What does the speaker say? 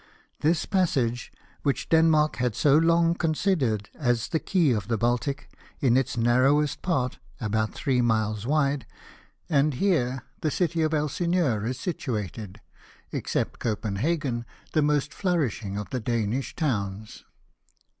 This passage, which Den mark had so long considered as the key of the Baltic, is in its narrowest part about three miles wide, and here the city of Elsineur is situated, except Copenhagen the most flourishing of the Danish towns.